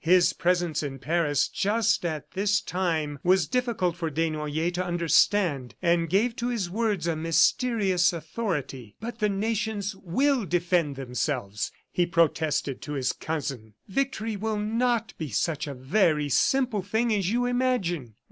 His presence in Paris just at this time was difficult for Desnoyers to understand, and gave to his words a mysterious authority. "But the nations will defend themselves," he protested to his cousin. "Victory will not be such a very simple thing as you imagine."